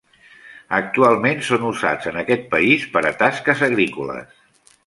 Actualment, són usats en aquest país per a tasques agrícoles.